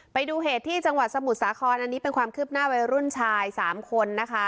ไปดูเหตุที่จังหวัดสมุทรสาครอันนี้เป็นความคืบหน้าวัยรุ่นชาย๓คนนะคะ